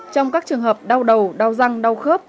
trong các trường hợp đau đầu đau răng đau khớp